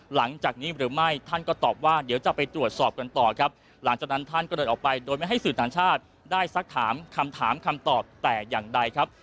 หลังจากนี้หรือไม่ท่านก็ตอบว่าเดี๋ยวจะไปตรวจสอบกันต่อครับหลังจากนั้นท่านก็เดินออกไปโดยไม่ให้สื่อต่างชาติได้สักถามคำถามคำตอบแต่อย่างใดครับ